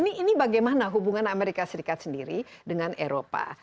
ini bagaimana hubungan amerika serikat sendiri dengan eropa